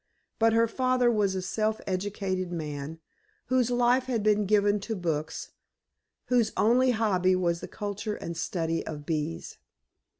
But her father was a self educated man, whose life had been given to books, whose only hobby was the culture and study of bees.